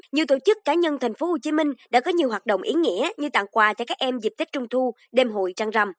nhiều tổ chức cá nhân tp hcm đã có nhiều hoạt động ý nghĩa như tặng quà cho các em dịp tết trung thu đêm hội trăng rằm